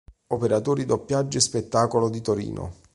Operatori Doppiaggio e Spettacolo di Torino.